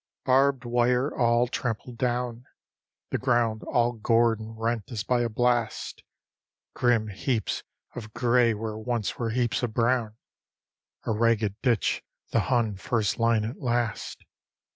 _ Barbed wire all trampled down. The ground all gored and rent as by a blast; Grim heaps of grey where once were heaps of brown; A ragged ditch the Hun first line at last.